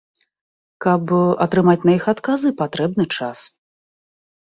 Каб атрымаць на іх адказы, патрэбны час.